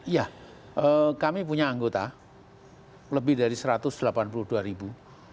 ya kami punya anggota lebih dari satu ratus delapan puluh dua ribu